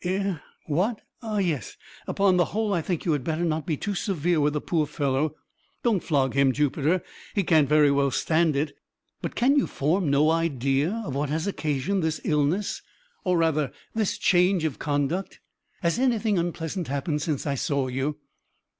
"Eh? what? ah yes! upon the whole I think you had better not be too severe with the poor fellow don't flog him, Jupiter he can't very well stand it but can you form no idea of what has occasioned this illness, or rather this change of conduct? Has anything unpleasant happened since I saw you?"